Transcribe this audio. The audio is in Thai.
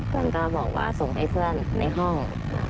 ก็บอกว่าส่งให้เพื่อนในห้อง